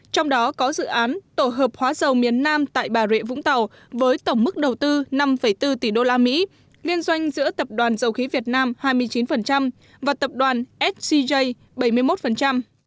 trong đó có dự án tổ hợp hóa dầu miền nam tại bà rịa vũng tàu với tổng mức đầu tư năm bốn tỷ usd liên doanh giữa tập đoàn dầu khí việt nam hai mươi chín và tập đoàn scj bảy mươi một